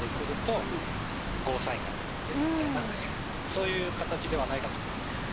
そういう形ではないかと思います。